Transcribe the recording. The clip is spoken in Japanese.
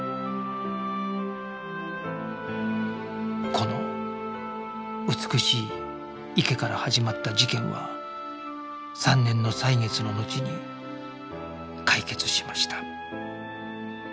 この美しい池から始まった事件は３年の歳月の後に解決しました